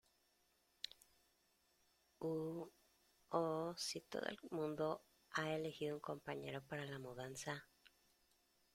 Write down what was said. ¿ Uh, oh , sí todo el mundo ha elegido un compañero para la mudanza?